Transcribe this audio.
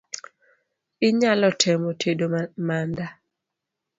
Inyalo temo tedo manda?